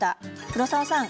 黒沢さん